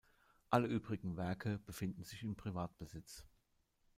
Alle übrigen Werke befinden sich in Privatbesitz.